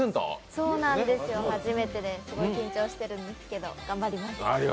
そうなんですよ、初めてですごい緊張してるんですが頑張ります。